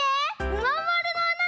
まんまるのあなだ！